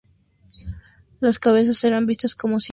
Las cabezas eran vistas como simples objetos de curiosidad.